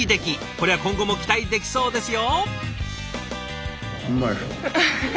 こりゃ今後も期待できそうですよ。